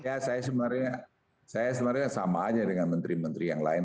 ya saya sebenarnya sama aja dengan menteri menteri yang lain